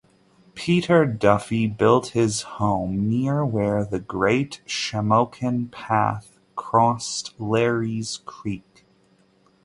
Peter Duffy built his home near where the Great Shamokin Path crossed Larrys Creek.